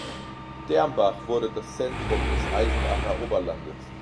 Dermbach wurde das Zentrum des Eisenacher Oberlandes.